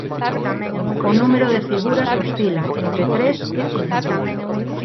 O número de figuras oscila entre tres e cinco.